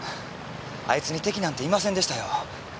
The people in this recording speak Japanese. あいつに敵なんていませんでしたよ。